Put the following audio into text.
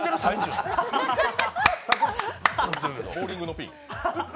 ボウリングのピン。